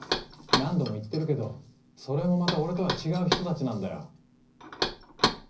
何度も言ってるけどそれもまた俺とは違う人たちなんだよ。